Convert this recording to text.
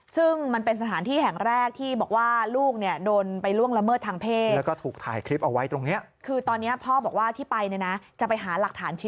ซึ่งมันเป็นสถานที่แห่งแรกที่บอกว่าลูกเนี่ยโดนไปล่วงละเมิดทางเพศ